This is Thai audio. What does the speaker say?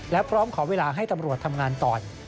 และพร้อมขอเวลาให้ตำรวจทำงานก่อน